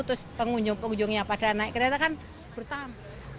terus pengunjung pengunjungnya pada naik kereta kan bertahun